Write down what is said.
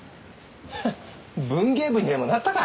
ハッ文芸部にでもなったか？